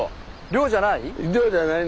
漁じゃない？